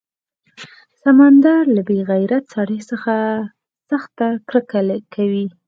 سمندر له بې غیرته سړي څخه سخته کرکه کوي.